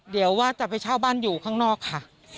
เดี๋ยวว่าจะไปเช่าบ้านอยู่ข้างนอกค่ะ